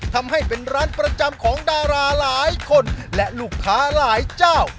ทำให้เป็นร้านประจำของดาราหลายคนและลูกค้าหลายเจ้า